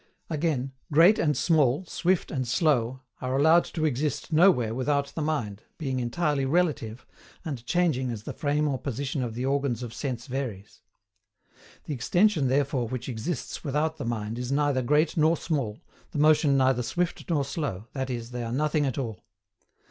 Again, GREAT and SMALL, SWIFT and SLOW, ARE ALLOWED TO EXIST NOWHERE WITHOUT THE MIND, being entirely RELATIVE, and changing as the frame or position of the organs of sense varies. The extension therefore which exists without the mind is neither great nor small, the motion neither swift nor slow, that is, they are nothing at all.